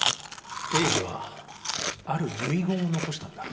栄治はある遺言を残したんだ。